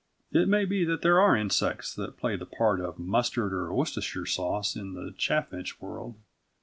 It may be that there are insects that play the part of mustard or Worcestershire sauce in the chaffinch world.